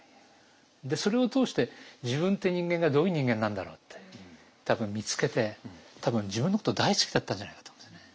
でそれを通して自分って人間がどういう人間なんだろうって多分見つけて多分自分のこと大好きだったんじゃないかと思うんですよね。